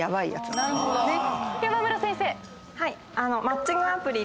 山村先生。